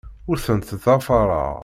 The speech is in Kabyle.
Ur tent-ttḍafareɣ.